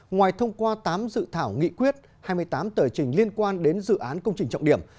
ngoài thông qua tám dự thảo nghị quyết hai mươi tám tờ trình liên quan đến dự án công trình trọng điểm